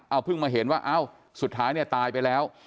เอาเพิ่งมาเห็นว่าเอ้าสุดท้ายเนี่ยตายไปแล้ว